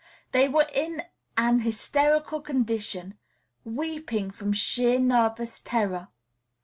They were in an hysterical condition, weeping from sheer nervous terror.